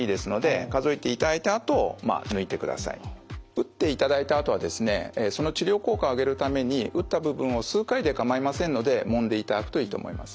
打っていただいたあとはですねその治療効果を上げるために打った部分を数回で構いませんのでもんでいただくといいと思います。